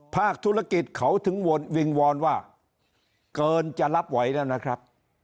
ภาคธุรกิจเขาถึงวิงวอนว่าเกินจะรับไหวแล้วนะครับ